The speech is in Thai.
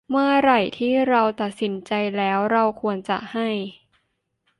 เมื่อไหร่ที่เราตัดสินใจแล้ว เราควรจะให้